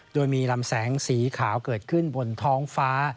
โดยมีลำแสงสีขาวเกิดขึ้นบนท้องฟ้า